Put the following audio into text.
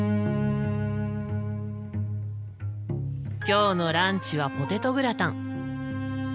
今日のランチはポテトグラタン。